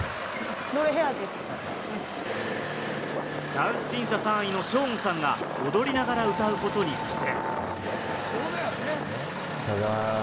ダンス審査３位のショーンさんが踊りながら歌うことに苦戦。